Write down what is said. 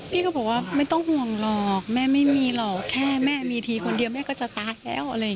พี่ก็บอกว่าไม่ต้องห่วงหรอกแม่ไม่มีหรอกแค่แม่มีทีคนเดียวแม่ก็จะตายแล้วอะไรอย่างนี้